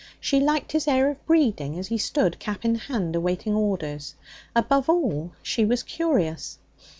She liked his air of breeding as he stood cap in hand awaiting orders. Above all, she was curious.